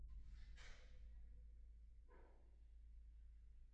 Využívá se k zásobování vodou.